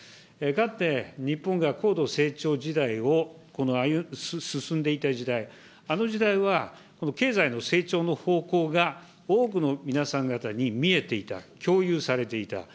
かつて日本が高度成長時代を進んでいた時代、あの時代は、この経済の成長の方向が、多くの皆さん方に見えていた、共有されていた。